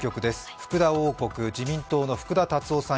福田王国、自民党の福田達夫さん